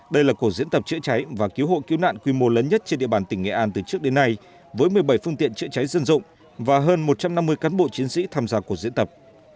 đây là cuộc diễn tập chữa cháy và cứu hộ cứu nạn quy mô lớn nhất trên địa bàn tỉnh nghệ an từ trước đến nay với một mươi bảy phương tiện chữa cháy dân dụng và hơn một trăm năm mươi cán bộ chiến sĩ tham gia cuộc diễn tập